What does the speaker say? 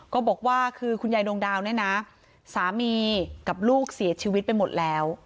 ก็บอกว่าคือคุณยายดวงดาวเนี่ยนะสามีกับลูกเสียชีวิตไปหมดแล้ว